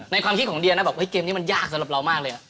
ความคิดของเดียนะบอกเฮ้ยเกมนี้มันยากสำหรับเรามากเลย